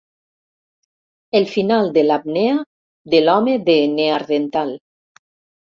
El final de l'apnea de l'home de Neardenthal.